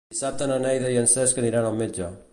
Dissabte na Neida i en Cesc aniran al metge.